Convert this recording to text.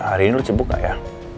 hari ini lu cepet gak ya